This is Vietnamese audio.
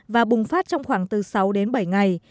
và bùng phát trong khoảng từ sáu đến bảy ngày